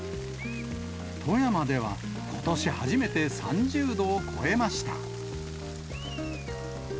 富山では、ことし初めて３０度を超えました。